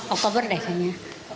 oktober deh kayaknya